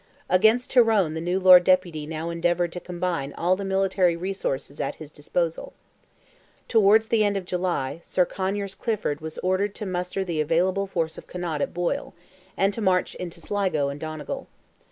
Against Tyrone the new Lord Deputy now endeavoured to combine all the military resources at his disposal. Towards the end of July, Sir Conyers Clifford was ordered to muster the available force of Connaught at Boyle, and to march into Sligo and Donegal.